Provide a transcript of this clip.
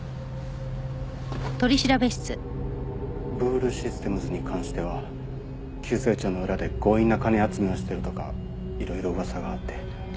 ブールシステムズに関しては急成長の裏で強引な金集めをしてるとかいろいろ噂があって。